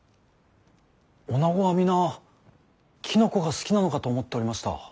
女子は皆きのこが好きなのかと思っておりました。